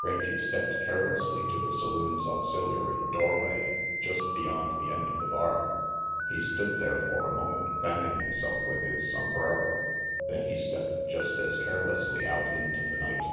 Rangy stepped carelessly to the saloon's auxiliary doorway, just beyond the end of the bar. He stood there for a moment fanning himself with his som brero, then he stepped just as carelessly out into the night.